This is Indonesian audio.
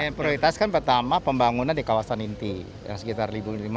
nah yang diprioritaskan pertama pembangunan di kawasan inti sekitar enam tujuh ratus